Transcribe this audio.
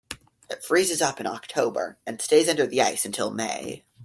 It freezes up in October and stays under the ice until May.